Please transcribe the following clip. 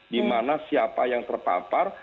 di mana siapa yang terpapar